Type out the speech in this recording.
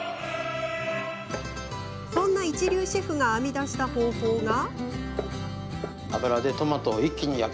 そんな一流シェフが編み出した方法が。